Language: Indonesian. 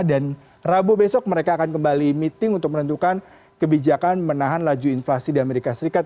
dan rabu besok mereka akan kembali meeting untuk menentukan kebijakan menahan laju inflasi di amerika serikat